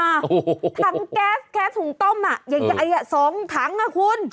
ทั้งแก๊สแก๊สถุงต้มอะสองทั้งอะคุณ